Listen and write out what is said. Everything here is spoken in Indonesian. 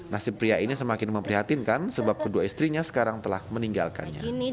nasib pria ini semakin memprihatinkan sebab kedua istrinya sekarang telah meninggalkannya